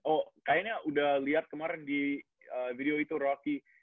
oh kayaknya udah liat kemarin di video itu rocky